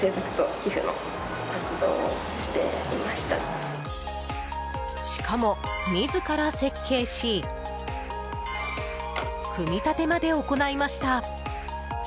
しかも、自ら設計し組み立てまで行いました。